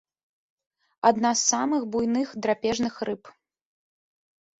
Адна з самых буйных драпежных рыб.